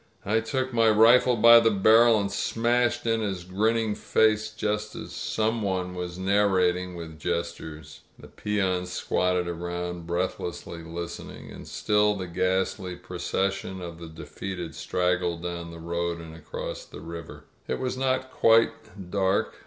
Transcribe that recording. "I took my rifle by the barrel and smashed in his grinning face, just as " some one was narrating, with gestures. The peons squatted around, breathlessly listening. ••• And still the ghastly procession of the defeated straggled down the road and across the river. It was not yet quite dark.